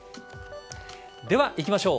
ではいきましょう